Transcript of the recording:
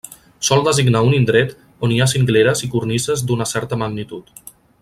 Sol designar un indret on hi ha cingleres i cornises d'una certa magnitud.